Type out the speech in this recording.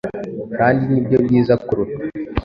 kandi nibyo byiza kuruta